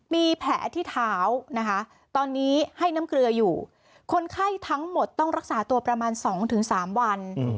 มีแผลที่เท้านะคะตอนนี้ให้น้ำเกลืออยู่คนไข้ทั้งหมดต้องรักษาตัวประมาณ๒๓วัน